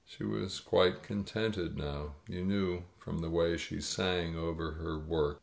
She was quite contented now; you knew from the way she sang over her work.